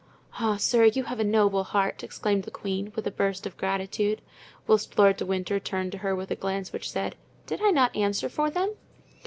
"Ah, sir, you have a noble heart!" exclaimed the queen, with a burst of gratitude; whilst Lord de Winter turned to her with a glance which said, "Did I not answer for them?"